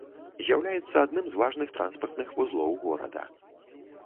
З'яўляецца адным з важных транспартных вузлоў горада.